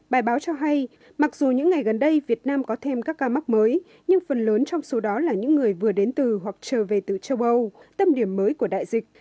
bài báo cho hay mặc dù những ngày gần đây việt nam có thêm các ca mắc mới nhưng phần lớn trong số đó là những người vừa đến từ hoặc trở về từ châu âu tâm điểm mới của đại dịch